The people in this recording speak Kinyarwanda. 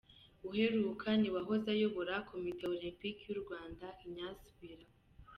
Uheruka ni uwahoze ayobora komite olimpike y’u Rwanda, Ignace Beraho.